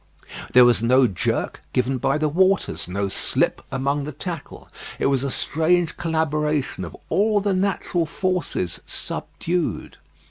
There was no jerk given by the waters, no slip among the tackle. It was a strange collaboration of all the natural forces subdued.